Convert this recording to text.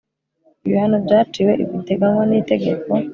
ibihano byaciwe biteganywa n itegeko n